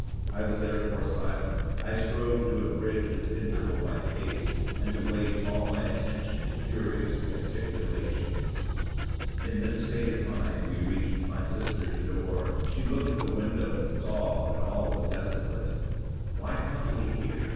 I was therefore silent. I strove to abridge this interval by haste, and to waste all my attention in furious gesticulations. In this state of mind we reached my sister's door. She looked at the windows and saw that all was desolate. "Why come we here?